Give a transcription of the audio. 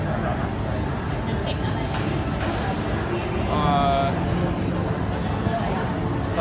น้ำเก็บอะไรฟะ